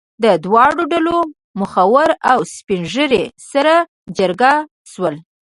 د دواړو ډلو مخور او سپین ږیري سره جرګه شول.